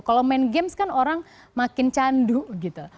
kalau main games kan orang makin candu gitu